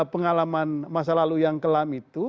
pengalaman masa lalu yang kelam itu